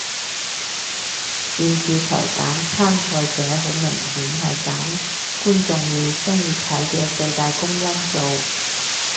電視台揀參賽者好明顯係揀觀眾會鍾意睇嘅最大公因數